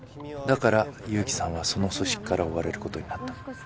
だから勇気さんはその組織から追われることになった。